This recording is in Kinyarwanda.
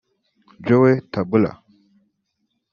Joe Tabula